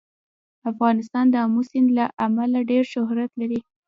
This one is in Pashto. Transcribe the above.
افغانستان د آمو سیند له امله ډېر شهرت لري.